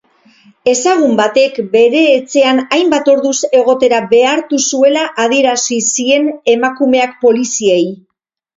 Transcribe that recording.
Ezagun batek bere etxean hainbat orduz egotera behartu zuela adierazi zien emakumeak poliziei.